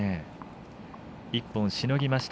１本しのぎました。